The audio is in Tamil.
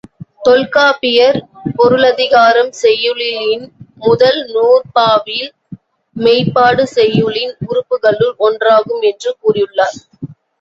தொல்காப்பியர் பொருளதிகாரம் செய்யுளியலின் முதல் நூற்பாவில், மெய்ப்பாடு செய்யுளின் உறுப்புகளுள் ஒன்றாகும் என்று கூறியுள்ளார்.